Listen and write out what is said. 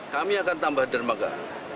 kami akan tambah dermaga